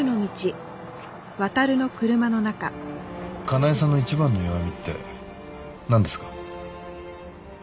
かなえさんの一番の弱みってなんですか？